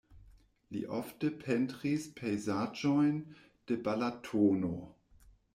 Li ofte pentris pejzaĝojn de Balatono.